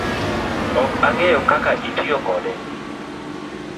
Ok ang'eyo kaka itiyo kode